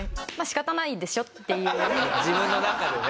自分の中でね。